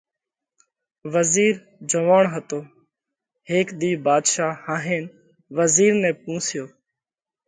وزِير جوئوڻ هتو۔ هيڪ ۮِي ڀاڌشا هاهينَ وزِير نئہ پونشيو: